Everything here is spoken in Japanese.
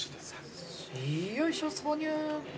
よいしょ挿入。